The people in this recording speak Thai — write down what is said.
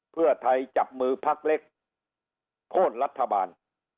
เพื่อไทยจับมือพักเล็กโค้นรัฐบาล